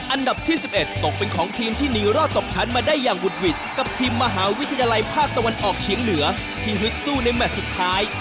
อันดับที่๑๑ตกเป็นของทีมที่หนีรอดตกชั้นมาได้อย่างบุดหวิดกับทีมมหาวิทยาลัยภาคตะวันออกเฉียงเหนือที่ฮึดสู้ในแมทสุดท้าย